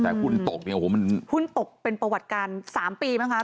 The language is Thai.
แต่หุ้นตกเนี่ยโอ้โหมันหุ้นตกเป็นประวัติการ๓ปีมั้งคะ